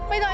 bây giờ em